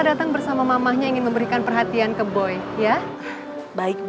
oke krim malamnya mahal